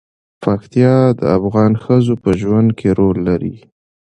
پکتیا د افغان ښځو په ژوند کې رول لري.